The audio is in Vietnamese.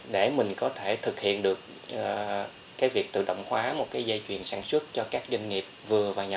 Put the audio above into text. để mình có thể thực hiện được cái việc tự động hóa một cái dây chuyền sản xuất cho các doanh nghiệp vừa và nhỏ